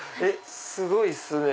すごいっすね。